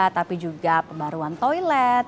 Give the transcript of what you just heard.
tapi juga pembaruan toilet